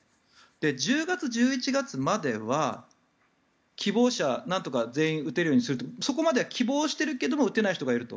１０月、１１月までは、希望者なんとか全員打てるようにするとそこまでは希望しているけれども打てない人がいると。